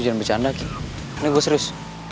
jangan bercanda ini gue serius